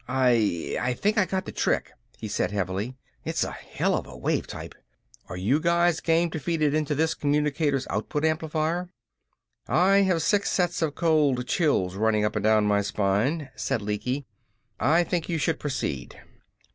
"I I think I got the trick," he said heavily. "It's a hell of a wave type! Are you guys game to feed it into this communicator's output amplifier?" "I have six sets of cold chills running up and down my spine," said Lecky. "I think you should proceed."